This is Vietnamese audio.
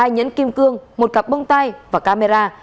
hai nhấn kim cương một cặp bông tay và camera